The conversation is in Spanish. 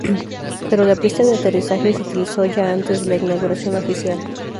Pero la pista de aterrizaje se utilizó ya antes de la inauguración oficial.